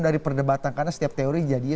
dari perdebatan karena setiap teori jadinya